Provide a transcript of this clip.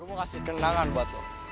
kasih kenangan batu